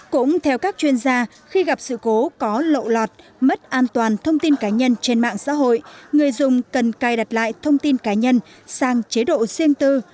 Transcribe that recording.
cũng theo các chuyên gia khi gặp sự cố có lộ lọt mất an toàn thông tin cá nhân trên mạng xã hội người dùng cần cài đặt lại thông tin cá nhân sang chế độ riêng tư